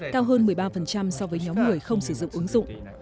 cao hơn một mươi ba so với nhóm người không sử dụng ứng dụng